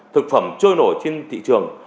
thực phẩm trôi nổi trên thị trường